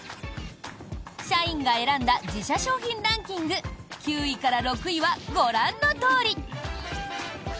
社員が選んだ自社商品ランキング９位から６位はご覧のとおり。